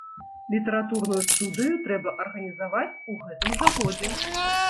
Літаратурную студыю трэба арганізаваць у гэтым жа годзе.